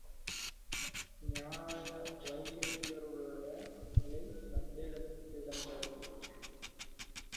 நியாய வைசேசிகர்களுடைய நிலை சந்தேகத்துக்கு இடம் தருவது.